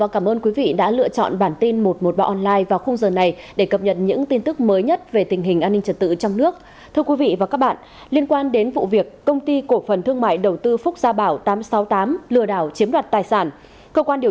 cảm ơn các bạn đã theo dõi và ủng hộ cho bản tin một trăm một mươi ba online